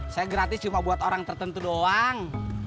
saya gratis cuma buat orang tertentu doang